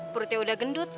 purutnya udah gendut